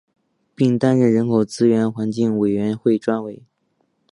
并担任人口资源环境委员会专委。